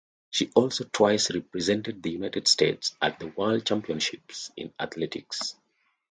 She also twice represented the United States at the World Championships in Athletics.